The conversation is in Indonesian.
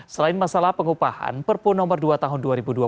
selain masalah pengupahan perpu nomor dua tahun dua ribu dua puluh